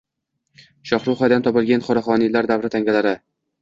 Shohruxiyadan topilgan qoraxoniylar davri tangalari